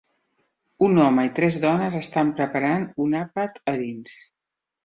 Un home i tres dones estan preparant un àpat a dins.